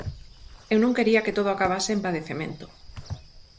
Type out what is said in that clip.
Eu non quería que todo acabase en padecemento.